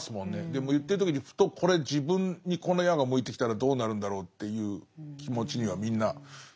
でも言ってる時にふとこれ自分にこの矢が向いてきたらどうなるんだろうっていう気持ちにはみんななるんだと思いますからねぇ。